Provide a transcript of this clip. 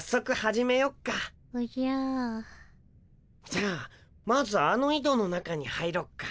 じゃあまずあのいどの中に入ろっか。